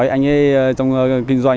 anh ấy trong kinh doanh